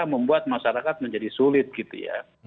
membuat masyarakat menjadi sulit gitu ya